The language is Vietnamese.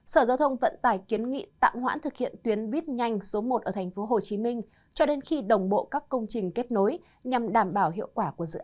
sở giao thông vận tải kiến nghị tạm hoãn thực hiện tuyến buýt nhanh số một ở tp hcm cho đến khi đồng bộ các công trình kết nối nhằm đảm bảo hiệu quả của dự án